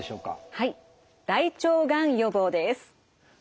はい大腸がん予防です。